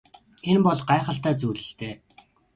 Энэ бол гайхалтай зүйл л дээ.